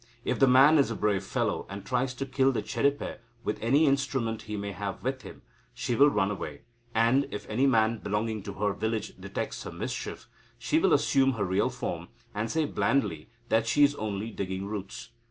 If the man is a brave fellow, and tries to kill the Chedipe with any instrument he may have with him, she will run away; and, if any man belonging to her village detects her mischief, she will assume her real form, and say blandly that she is only digging roots.